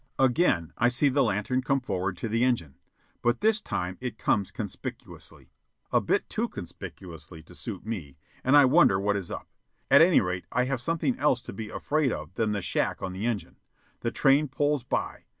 Again I see the lantern come forward to the engine. But this time it comes conspicuously. A bit too conspicuously to suit me, and I wonder what is up. At any rate I have something else to be afraid of than the shack on the engine. The train pulls by.